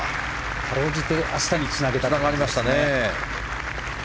かろうじて明日につながりましたね。